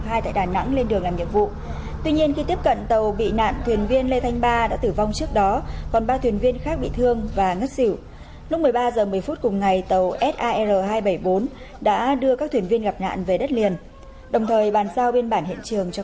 hãy đăng ký kênh để ủng hộ kênh của chúng mình nhé